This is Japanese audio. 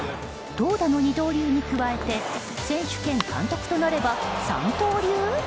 投打の二刀流に加えて選手兼監督となれば三刀流？